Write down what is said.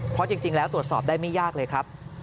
เพราะจริงแล้วตรวจสอบได้ไม่ยากเลยครับ